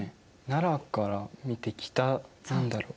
奈良から見て北何だろう。